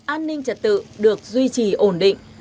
an ninh trật tự được duy trì ổn định